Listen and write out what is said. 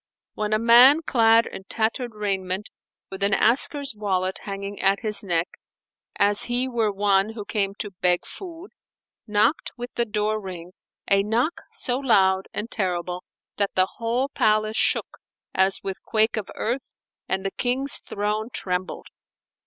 when a man clad in tattered raiment, with an asker's wallet hanging at his neck, as he were one who came to beg food, knocked with the door ring a knock so loud and terrible that the whole palace shook as with quake of earth and the King's throne trembled.